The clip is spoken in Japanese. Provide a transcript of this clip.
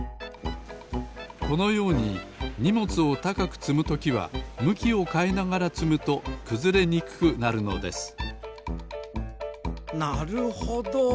このようににもつをたかくつむときはむきをかえながらつむとくずれにくくなるのですなるほど。